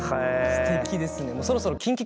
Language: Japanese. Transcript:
すてきですね。